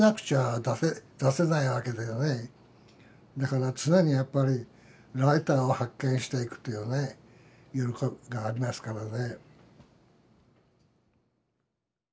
だから常にやっぱりライターを発見していくっていうね喜びがありますからね。